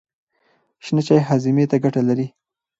شنه چای هاضمې ته ګټه لري.